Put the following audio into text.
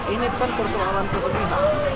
ini kan persoalan keberdian